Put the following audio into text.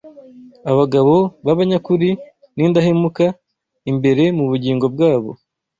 abagabo b’abanyakuri n’indahemuka imbere mu bugingo bwabo